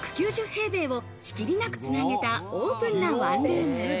１９０平米を仕切りなくつなげたオープンなワンルーム。